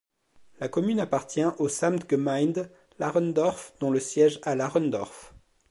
La commune appartient au Samtgemeinde Lachendorf dont le siège à Lachendorf.